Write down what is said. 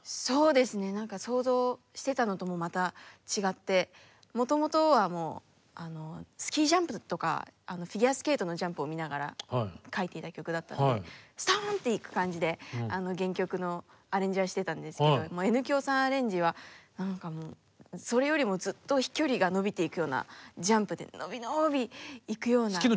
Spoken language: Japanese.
そうですね何か想像してたのともまた違ってもともとはもうあのスキージャンプとかフィギュアスケートのジャンプを見ながら書いていた曲だったのでストーンっていく感じで原曲のアレンジはしてたんですけどもうＮ響さんアレンジは何かもうそれよりもずっと飛距離が伸びていくようなジャンプで伸び伸び行くような。